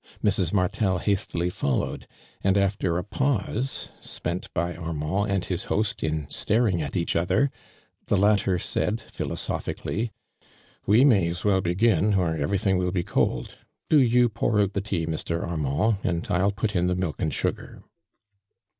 Mrs. Martel hastily followed, and after a pause spent by Armand and hia host in staring at each other, the lattersaid, philo sophically: "We may as well begm, or efeiything will be cold. Do you pour out the tea, Mr. Armand, and I'll put in the milk and sugar."